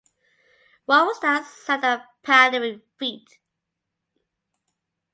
What was that sound of pattering feet?